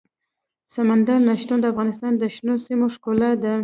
سمندر نه شتون د افغانستان د شنو سیمو ښکلا ده.